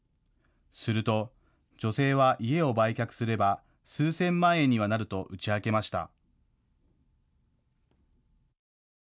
すると、女性は家を売却すれば数千万円にはなると打ち明けました。